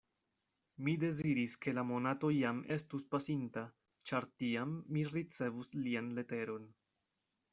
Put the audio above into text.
Mi deziris, ke la monato jam estus pasinta, ĉar tiam mi ricevus lian leteron.